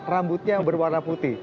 rambutnya yang berwarna putih